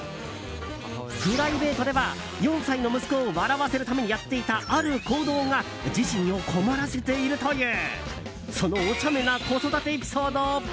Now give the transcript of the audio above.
プライベートでは４歳の息子を笑わせるためにやっていたある行動が自身を困らせているという。